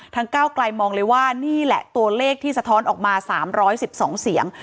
ก้าวไกลมองเลยว่านี่แหละตัวเลขที่สะท้อนออกมา๓๑๒เสียง